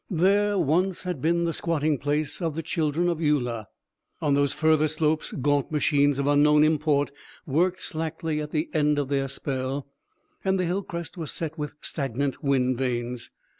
There once had been the squatting place of the children of Uya. On those further slopes gaunt machines of unknown import worked slackly at the end of their spell, and the hill crest was set with stagnant wind vanes.